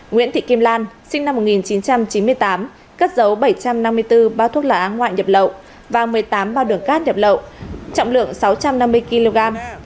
nguyễn thị kim lan sinh năm một nghìn chín trăm chín mươi tám cất dấu bảy trăm năm mươi bốn bao thuốc lá ngoại nhập lậu và một mươi tám bao đường cát nhập lậu trọng lượng sáu trăm năm mươi kg